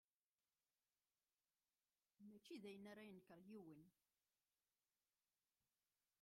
Mačči d ayen ara yenker yiwen.